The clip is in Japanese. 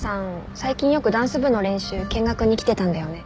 最近よくダンス部の練習見学に来てたんだよね？